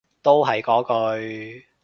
都係嗰句